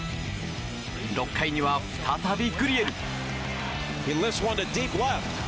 ６回には再びグリエル。